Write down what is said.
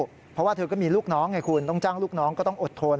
เพราะว่าเธอก็มีลูกน้องไงคุณต้องจ้างลูกน้องก็ต้องอดทน